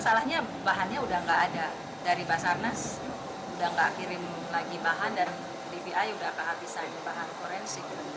masalahnya bahannya udah nggak ada dari basarnas udah nggak kirim lagi bahan dan dvi udah kehabisan bahan forensik